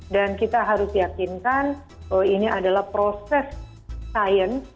dan kita harus yakinkan bahwa ini adalah proses sains